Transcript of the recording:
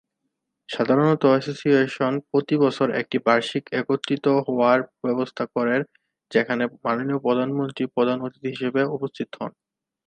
সাধারণত এসোসিয়েশন প্রতিবছর একটি বার্ষিক একত্রিত হওয়ার ব্যবস্থা করে যেখানে মাননীয় প্রধানমন্ত্রী প্রধান অতিথি হিসাবে উপস্থিত হন।